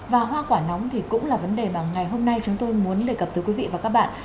và hoa quả nóng thì cũng là vấn đề mà ngày hôm nay chúng tôi muốn đề cập tới quý vị và các bạn